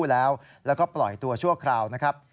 แล้วก็ปล่อยตัวชั่วคราวนะครับ